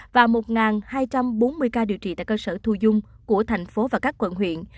và một hai trăm bốn mươi ca điều trị tại cơ sở thu dung của thành phố và các quận huyện